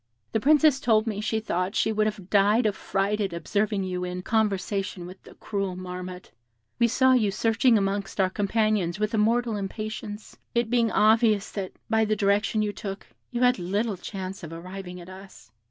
"The Princess told me she thought she should have died of fright at observing you in conversation with the cruel Marmotte; we saw you searching amongst our companions with a mortal impatience, it being obvious that, by the direction you took, you had little chance of arriving at us.